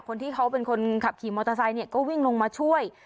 คนที่เขาเป็นคนขับขี่มอเตอร์ไซค์เนี่ยก็วิ่งลงมาช่วย